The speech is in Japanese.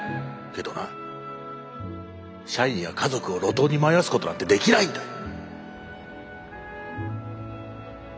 けどな社員や家族を路頭に迷わすことなんてできないんだよ。